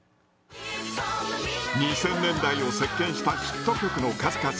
２０００年代を席けんしたヒット曲の数々。